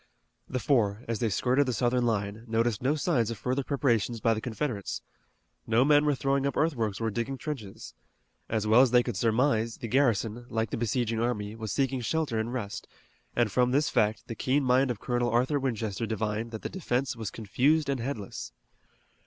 The four, as they skirted the Southern line, noticed no signs of further preparations by the Confederates. No men were throwing up earthworks or digging trenches. As well as they could surmise, the garrison, like the besieging army, was seeking shelter and rest, and from this fact the keen mind of Colonel Arthur Winchester divined that the defense was confused and headless.